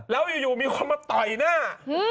แล้วอยู่มีคนมาต่อยหน้า